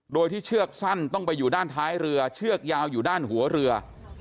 โดยที่เชือกสั้นต้องไปอยู่ด้านท้ายเรือเชือกยาวอยู่ด้านหัวเรือ